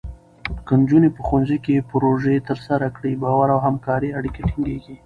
که نجونې په ښوونځي کې پروژې ترسره کړي، باور او همکارۍ اړیکې ټینګېږي.